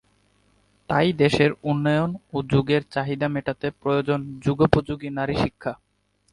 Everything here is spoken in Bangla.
তাই দেশের উন্নয়ন ও যুগের চাহিদা মেটাতে প্রয়োজন যুগোপযোগী নারী শিক্ষা।